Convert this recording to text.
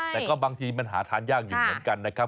แต่ก็บางทีมันหาทานยากอยู่เหมือนกันนะครับ